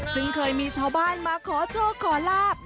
ซึ่งเคยมีชาวบ้านมาขอโชคขอลาบ